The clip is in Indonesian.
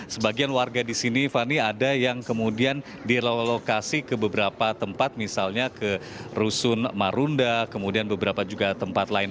sebagian warga di sini fani ada yang kemudian direlokasi ke beberapa tempat misalnya ke rusun marunda kemudian beberapa juga tempat lain